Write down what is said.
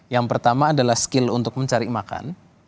yang pertama adalah skill untuk mencari makan